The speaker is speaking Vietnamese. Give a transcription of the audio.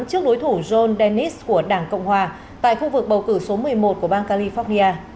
trước đối thủ john dennis của đảng cộng hòa tại khu vực bầu cử số một mươi một của bang california